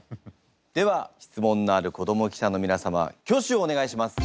では質問のある子ども記者の皆様挙手をお願いします。